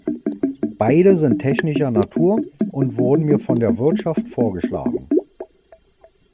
Beide sind technischer Natur und wurden mir von der Wirtschaft vorgeschlagen.